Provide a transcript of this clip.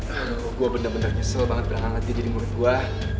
aduh gua bener bener nyesel banget berangkat dia jadi murid gua